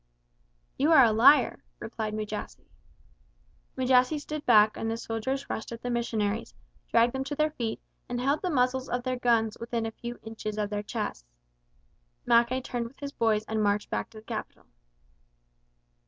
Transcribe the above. "You are a liar!" replied Mujasi. Mujasi stood back and the soldiers rushed at the missionaries, dragged them to their feet and held the muzzles of their guns within a few inches of their chests. Mackay turned with his boys and marched back to the capital.